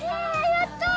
やったぁ！